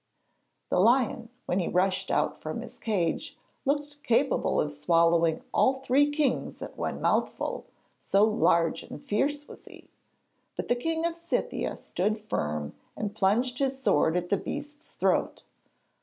The lion, when he rushed out from his cage, looked capable of swallowing all three kings at one mouthful, so large and fierce was he. But the King of Scythia stood firm and plunged his sword at the beast's throat.